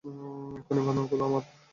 এক্ষুনি বাঁধন খোল আমার!